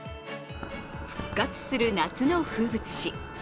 復活する夏の風物詩。